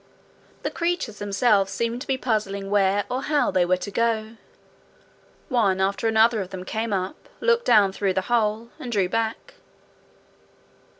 The creatures themselves seemed to be puzzling where or how they were to go. One after another of them came up, looked down through the hole, and drew back.